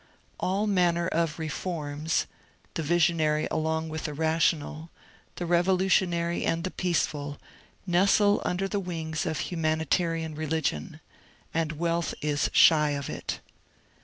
All manner of " reforms "— the visionary along with the rational, the revolutionary and the peaceful — nestle under the wings of humanitarian religion ; and wealth is shy of it.